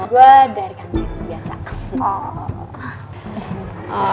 gue dari kantin biasa